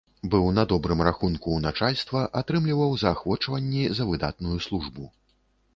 Быў на добрым рахунку ў начальства, атрымліваў заахвочванні за выдатную службу.